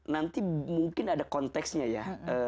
nanti mungkin ada konteksnya ya